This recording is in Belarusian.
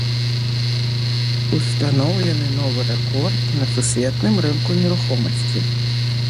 Устаноўлены новы рэкорд на сусветным рынку нерухомасці.